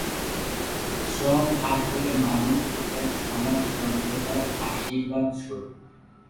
শ্রম আসলে মানুষ ও তার সমাজ-সভ্যতার আশীর্বাদস্বরূপ।